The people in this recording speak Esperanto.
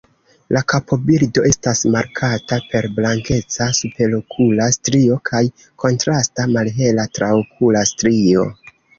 La kapobildo estas markata per blankeca superokula strio kaj kontrasta malhela traokula strio.